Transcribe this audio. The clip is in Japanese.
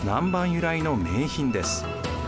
由来の名品です。